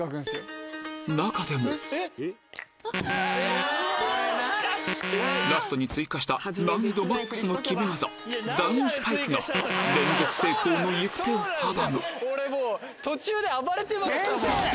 中でもラストに追加した難易度マックスの決め技ダウンスパイクが連続成功の行く手を阻む俺もう途中で暴れてましたもん。